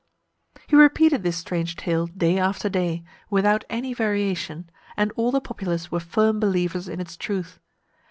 He repeated this strange tale day after day, without any variation, and all the populace were firm believers in its truth.